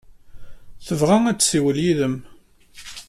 Tebɣa ad tessiwel yid-m.